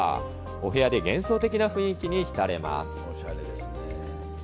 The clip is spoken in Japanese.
お部屋で幻想的な雰囲気に浸れます。